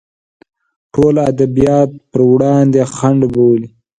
ټول ادبیات پر وړاندې خنډ بولي.